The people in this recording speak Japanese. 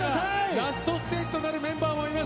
ラストステージとなるメンバーもいます。